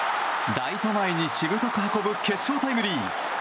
ライト前にしぶとく運ぶ決勝タイムリー！